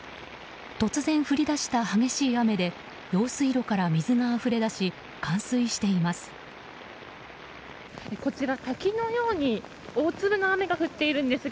突然降り出した激しい雨で用水路から水があふれ出し冠水しています。